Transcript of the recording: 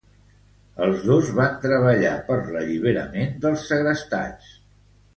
Els dos van treballar per l'alliberament dels segrestats.